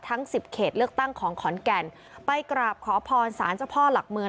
สิบเขตเลือกตั้งของขอนแก่นไปกราบขอพรสารเจ้าพ่อหลักเมือง